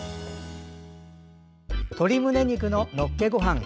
鶏むね肉ののっけごはん